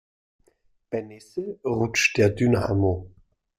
Bei Nässe rutscht der Dynamo.